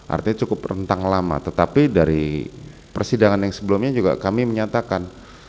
artinya cukup rentang lama tetapi dari persidangan yang sebelumnya juga kami menyatakan